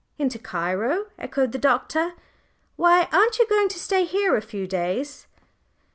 "Into Cairo!" echoed the Doctor. "Why, aren't you going to stay here a few days?"